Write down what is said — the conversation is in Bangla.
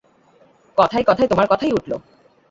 কথায় কথায় তোমার কথাই উঠল।